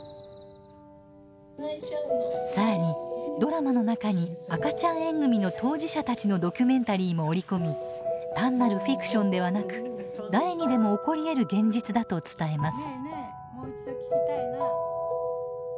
さらにドラマの中に赤ちゃん縁組の当事者たちのドキュメンタリーも折り込み単なるフィクションではなく誰にでも起こりえる現実だと伝えます。